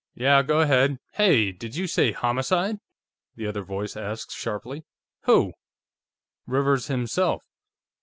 "Yeah, go ahead Hey! Did you say homicide?" the other voice asked sharply. "Who?" "Rivers himself.